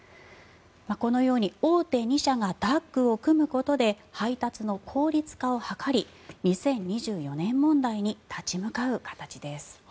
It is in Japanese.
このように大手２社がタッグを組むことで配達の効率化を図り２０２４年問題に立ち向かう形です。